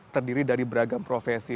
terdiri dari beragam profesi